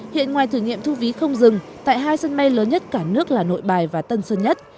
hiện ngoài thử nghiệm thu phí không dừng tại hai sân bay lớn nhất cả nước là nội bài và tân sơn nhất